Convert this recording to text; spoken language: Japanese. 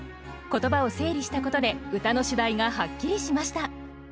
言葉を整理したことで歌の主題がはっきりしました。